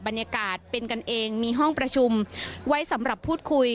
บรรยากาศเป็นกันเองมีห้องประชุมไว้สำหรับพูดคุย